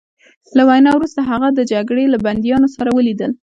له وینا وروسته هغه د جګړې له بندیانو سره ولیدل